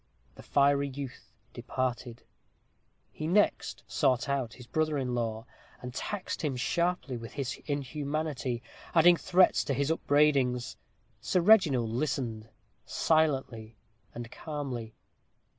The fiery youth departed. He next sought out his brother in law, and taxed him sharply with his inhumanity, adding threats to his upbraidings. Sir Reginald listened silently and calmly.